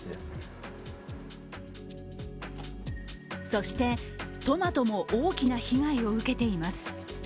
そして、トマトも大きな被害を受けています。